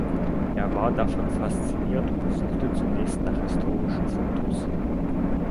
Er war davon fasziniert und suchte zunächst nach historischen Fotos.